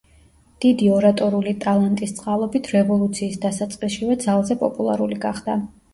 დიდი ორატორული ტალანტის წყალობით რევოლუციის დასაწყისშივე ძალზე პოპულარული გახდა.